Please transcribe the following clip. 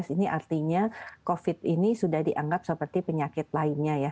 ini artinya covid ini sudah dianggap seperti penyakit lainnya ya